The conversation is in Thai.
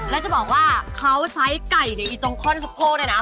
แล้วจะบอกว่าเค้าใช้ไก่เนี่ยอีตรงคล้อนสุโค้น